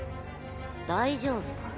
「大丈夫か？」